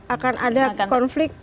akan ada konflik